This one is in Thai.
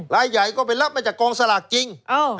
รายใหญ่ก็ไปรับมาจากกองสลากจริง